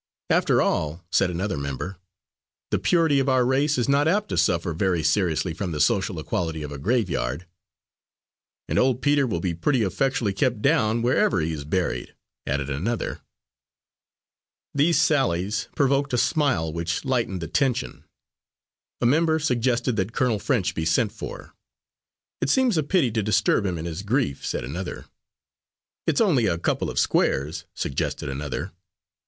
"After all," said another member, "the purity of our race is not apt to suffer very seriously from the social equality of a graveyard." "And old Peter will be pretty effectually kept down, wherever he is buried," added another. These sallies provoked a smile which lightened the tension. A member suggested that Colonel French be sent for. "It seems a pity to disturb him in his grief," said another. "It's only a couple of squares," suggested another.